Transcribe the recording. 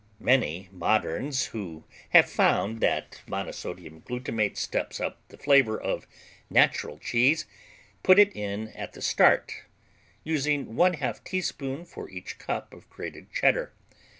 Many moderns who have found that monosodium glutamate steps up the flavor of natural cheese, put it in at the start, using one half teaspoon for each cup of grated Cheddar.